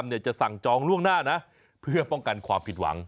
จะสั่งจองล่วงหน้านะเพื่อป้องกันความผิดหวัง